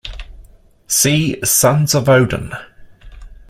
See Sons of Odin.